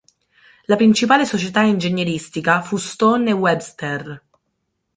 La principale società ingegneristica fu Stone e Webster.